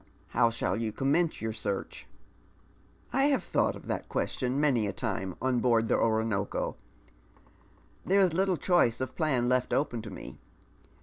" How shall you commence your search ?"" I have thought of that question many a time on board the Oronoko. There is little choice of plan left open to me.